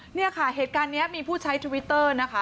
เนี่ยค่ะเหตุการณ์นี้มีผู้ใช้ทวิตเตอร์นะคะ